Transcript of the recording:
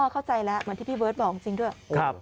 เข้าใจแล้วเหมือนที่พี่เบิร์ตบอกจริงด้วย